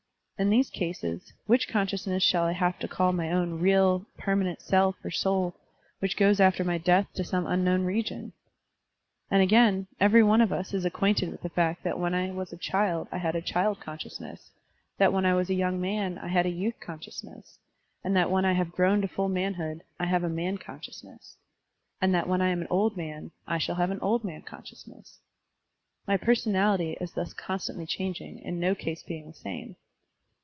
In these cases, which con sciousness shall I have to call my own real, permanent self or soul, which goes after my death to some unknown region? And, again, every one Digitized by Google ASSERTIONS AND DENIALS 4 1 of US is acquainted with the fact that when I was a child I had a child consciousness, that when I was a young man, I had a youth consciousness, and that when I have grown to full manhood, I have a man consciousness, and that when I am an old man, I shall have an old man conscious ness. My personality is thus constantly chang ing, in no case being the same.